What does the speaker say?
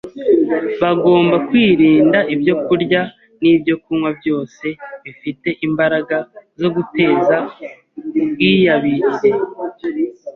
Bagomba kwirinda ibyokurya n’ibyokunywa byose bifite imbaraga zo guteza ubwiyabirire